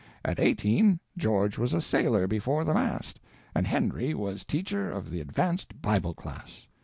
At eighteen George was a sailor before the mast, and Henry was teacher of the advanced Bible class.